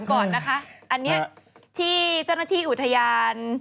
ก่อนนะคะอันนี้ที่เจ้าหน้าที่อุทยาน